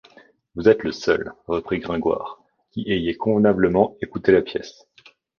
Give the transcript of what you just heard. Vous êtes le seul, reprit Gringoire, qui ayez convenablement écouté la pièce.